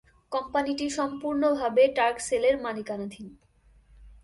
কোম্পানিটি সম্পূর্ণভাবে টার্কসেলের মালিকানাধীন।